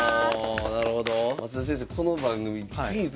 なるほど。